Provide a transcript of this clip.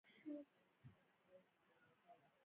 د نوې پلازمېنې جوړښتونه د پخوا پر اساس بنا شول.